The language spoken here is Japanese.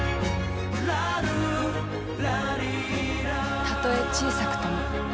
たとえ小さくとも。